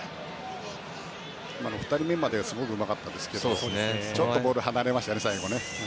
２人目までがすごくうまかったですがちょっとボールが離れましたね最後。